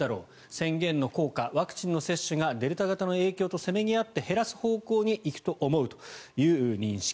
宣言の効果ワクチンの接種がデルタ型の影響とせめぎ合って減らす方向に行くと思うという認識。